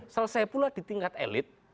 selesai pula di tingkat elit